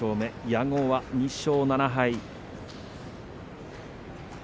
矢後は２勝７敗。